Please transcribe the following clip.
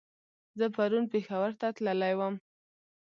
زه پرون پېښور ته تللی ووم